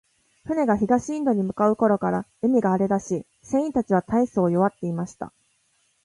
船が東インドに向う頃から、海が荒れだし、船員たちは大そう弱っていました。